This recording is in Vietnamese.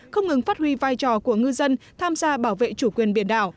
không ngừng phát huy vai trò của ngư dân tham gia bảo vệ chủ quyền biển đảo